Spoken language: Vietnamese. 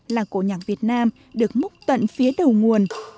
là cổ nhạc việt nam được múc tận phía đầu nguồn